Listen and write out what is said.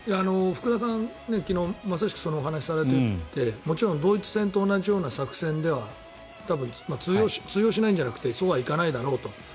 福田さん、昨日まさしくそのお話をされていてもちろんドイツ戦と同じような作戦では多分、通用しないんじゃなくてそうはいかないだろうと。